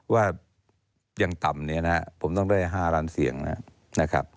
ว่ายังต่ำเนี่ยนะผมต้องได้๕ล้านเสียงนะครับ